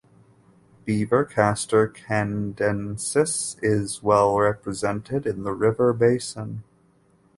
Beaver ("Castor canadensis") is well represented in the river basin.